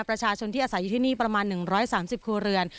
ประชาชนที่อาศัยอยู่ที่นี่ประมาณ๑๓๐ครัวเรือน